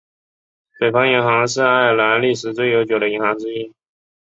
北方银行是爱尔兰历史最悠久的银行之一。